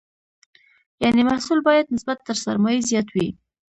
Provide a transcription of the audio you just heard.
یعنې محصول باید نسبت تر سرمایې زیات وي.